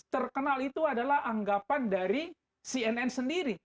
terkenal itu adalah anggapan dari cnn sendiri